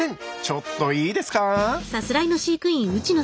ちょっといいですか。